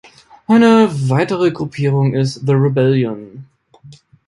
Eine weitere Gruppierung ist The Rebellion.